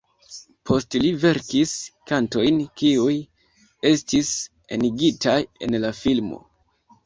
Post li verkis kantojn, kiuj estis enigitaj en la filmo.